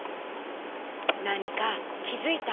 なにかきづいた？